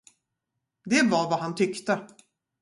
Det var vad han tyckte.